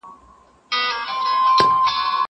زه هره ورځ مړۍ خورم!!